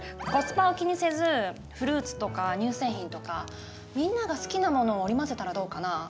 コスパを気にせずフルーツとか乳製品とかみんなが好きなものを織り交ぜたらどうかな？